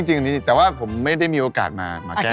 จริงนี้แต่ว่าผมไม่ได้มีโอกาสมาแก้